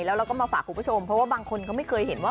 แล้วเราก็มาฝากคุณผู้ชมเพราะว่าบางคนเขาไม่เคยเห็นว่า